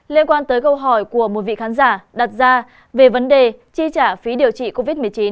liên quan tới câu hỏi của một vị khán giả đặt ra về vấn đề chi trả phí điều trị covid một mươi chín